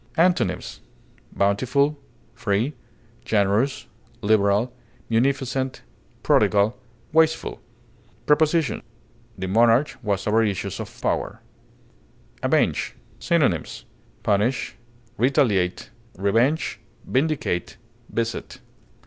Antonyms: bountiful, free, generous, liberal, munificent, prodigal, wasteful. Preposition: The monarch was avaricious of power. AVENGE. Synonyms: punish, retaliate, revenge, vindicate, visit.